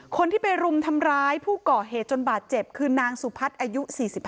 คนที่ไปรุมทำร้ายผู้ก่อเหตุจนบาดเจ็บคือนางสุพัฒน์อายุ๔๕